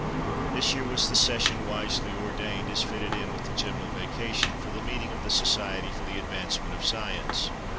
This year was the session, wisely ordained as fitting in with the general vacation, for the meeting of the Society for the Advancement of Science.